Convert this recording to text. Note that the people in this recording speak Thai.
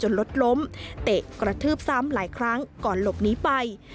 รถล้มเตะกระทืบซ้ำหลายครั้งก่อนหลบหนีไป